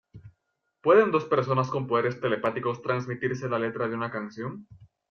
¿pueden dos personas con poderes telepáticos transmitirse la letra de una canción?